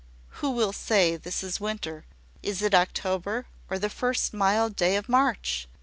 Who will say this is winter? Is it October, or `the first mild day of March?'